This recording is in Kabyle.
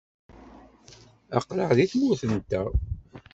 Aql-aɣ deg tmurt-nteɣ.